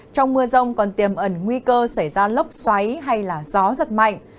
trong mưa rông còn tiềm ẩn nguy cơ xảy ra lốc xoáy hay gió giật mạnh